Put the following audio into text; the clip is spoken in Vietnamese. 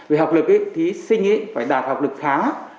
về học lực thì thí sinh phải đạt học lực khá